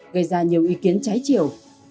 gây ra nhiều ý kiến cháy chiều